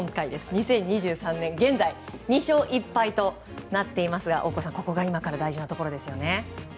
２０２３年現在２勝１敗となっていますが大越さんここが今から大事なところですよね。